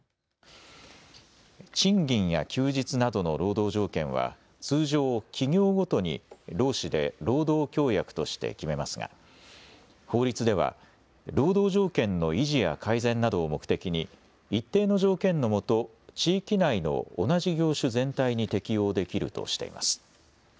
賃金や休日などの労働条件は通常、企業ごとに労使で労働協約として決めますが法律では労働条件の維持や改善などを目的に一定の条件のもと地域内の同じ業種全体に適用できるとしています。